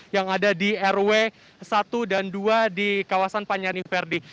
yang ada di rw satu dan dua di kawasan panyari verdi